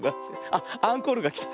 あっアンコールがきた。